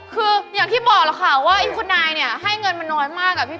คืออย่างที่บอกแล้วค่ะว่าคุณนายเนี่ยให้เงินมาน้อยมากอะพี่